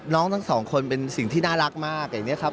ทั้งสองคนเป็นสิ่งที่น่ารักมากอย่างนี้ครับ